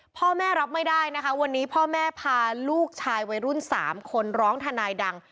พ่อแม่รับไม่ได้นะคะวันนี้พ่อแม่พาลูกชายวัยรุ่น๓คนร้องทนายดัง